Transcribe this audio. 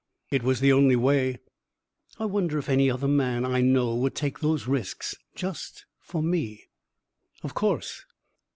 "It was the only way." "I wonder if any other man I know would take those risks just for me." "Of course.